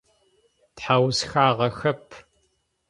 Тхьаусхагъэхэп.